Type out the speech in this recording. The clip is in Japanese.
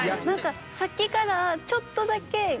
何かさっきからちょっとだけ。